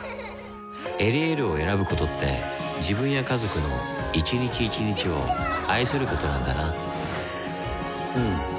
「エリエール」を選ぶことって自分や家族の一日一日を愛することなんだなうん。